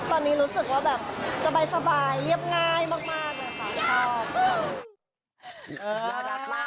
ตอนนี้รู้สึกว่าแบบสบายเรียบง่ายมากเลยค่ะ